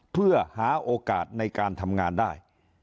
เพื่อหาโอกาสในการทำงานได้